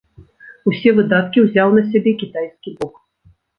Усе выдаткі ўзяў на сябе кітайскі бок.